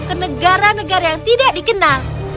ke negara negara yang tidak dikenal